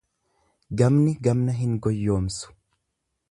Gamni gamna hin goyyomsu.